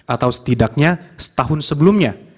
atau setidaknya setahun sebelumnya